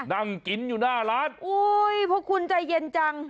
นั่งกินอยู่หน้าร้านอุ้ยเพราะคุณใจเย็นจัง